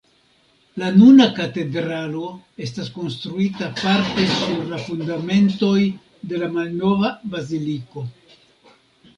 La nuna katedralo estas konstruita parte sur la fundamentoj de la malnova baziliko.